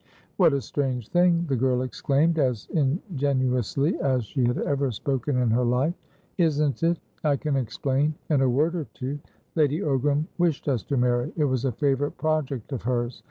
"What a strange thing!" the girl exclaimed, as ingenuously as she had ever spoken in her life. "Isn't it! I can explain in a word or two. Lady Ogram wished us to marry; it was a favourite project of hers.